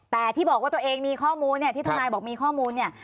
แต่ที่บอกว่าตัวเองมีข้อมูลเนี่ยที่ทนายบอกมีข้อมูลเนี่ย